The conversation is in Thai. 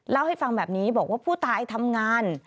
เล่าให้ฟังแบบนี้บอกว่าผู้ตายทำงาน